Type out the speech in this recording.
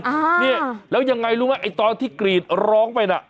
อ่าเนี่ยแล้วยังไงรู้ไหมไอ้ตอนที่กรีดร้องไปน่ะ